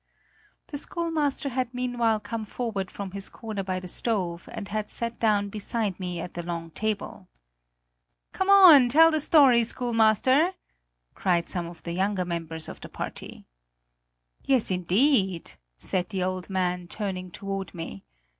The schoolmaster had meanwhile come forward from his corner by the stove and had sat down beside me at the long table. "Come on! Tell the story, schoolmaster," cried some of the younger members of the party. "Yes, indeed," said the old man, turning toward me.